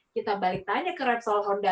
kita balik tanya ke repsol honda